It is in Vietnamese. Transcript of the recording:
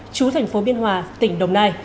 chú tp biên hòa tỉnh đồng nai